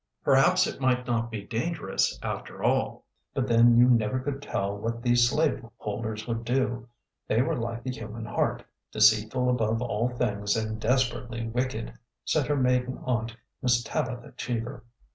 Perhaps it might not be dangerous, after all ; but then you never could tell what these slaveholders would do — they were like the human heart, '' deceitful above all things and desperately wicked," said her maiden aunt, Miss Tabitha Cheever.